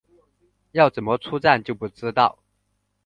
要怎么出站就不知道